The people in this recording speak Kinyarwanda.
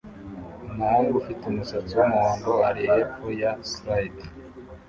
Umuhungu ufite umusatsi wumuhondo uri hepfo ya slide